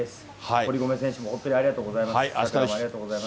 堀米選手も、本当にありがとうございます。